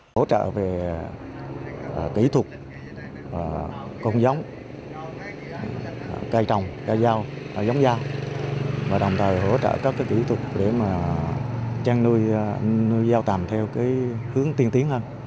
hỗ trợ về kỹ thuật công giống cây trồng cây dao giống dao và đồng thời hỗ trợ các kỹ thuật để trang nuôi